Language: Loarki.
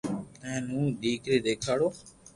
ھين ھون ڊ ڪري ديکاڙو